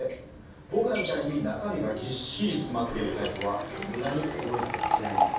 ぼくらみたいに中身がぎっしりつまっているタイプは無駄に動いたりはしないんですよ。